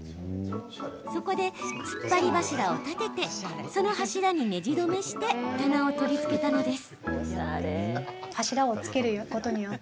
そこで、つっぱり柱を立ててその柱に、ねじ留めして棚を取り付けたのです。